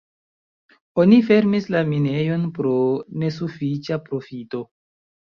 Oni fermis la minejon pro nesufiĉa profito.